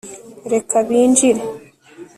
reka binjire